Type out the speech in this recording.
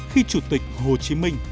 khi chủ tịch hồ chí minh